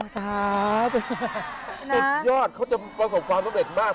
สุดยอดเขาจะประสบความสำเร็จมาก